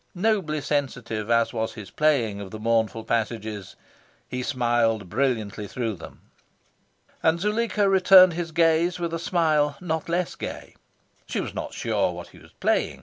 Nobly sensitive as was his playing of the mournful passages, he smiled brilliantly through them. And Zuleika returned his gaze with a smile not less gay. She was not sure what he was playing.